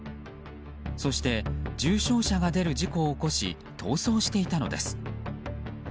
そして重傷者の出る事故を起こし逃走していたのです。